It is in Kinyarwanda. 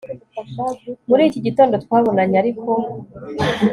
muri iki gitondo twabonanye ariko